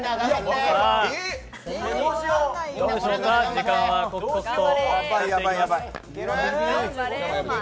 時間は刻々と。